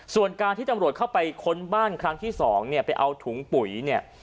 ส่วนการที่จำรวจเข้าไปค้นบ้านครั้งที่๒ไปเอาถุงปุ๋ย